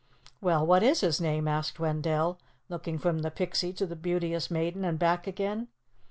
"Well, what is his name?" asked Wendell, looking from the Pixie to the Beauteous Maiden and back again.